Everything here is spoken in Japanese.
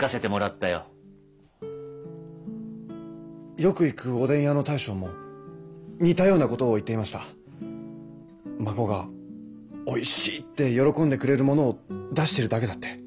よく行くおでん屋の大将も似たようなことを言っていました。孫がおいしいって喜んでくれるものを出してるだけだって。